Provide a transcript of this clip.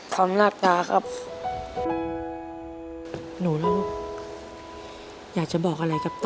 ผมรักตาครับ